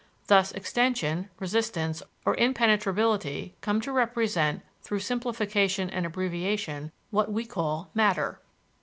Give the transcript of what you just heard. Thus, extension, resistance, or impenetrability, come to represent, through simplification and abbreviation, what we call "matter."